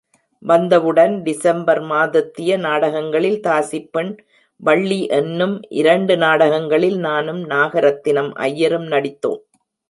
வந்தவுடன் டிசம்பர் மாதத்திய நாடகங்களில், தாசிப் பெண், வள்ளி என்னும் இரண்டு நாடகங்களில், நானும் நாகரத்தினம் ஐயரும் நடித்தோம்.